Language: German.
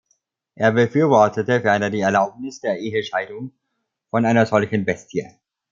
Er befürwortete ferner die Erlaubnis der Ehescheidung von „einer solchen Bestie“.